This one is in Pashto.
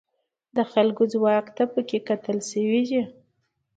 د خلکو ځواک ته پکې کتل شوي دي.